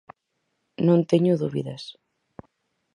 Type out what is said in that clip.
Non teño dúbidas.